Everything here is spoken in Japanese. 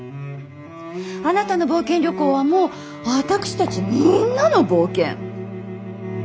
あなたの冒険旅行はもう私たちみんなの冒険。